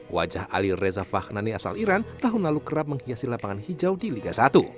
wajah ali reza fahnani asal iran tahun lalu kerap menghiasi lapangan hijau di liga satu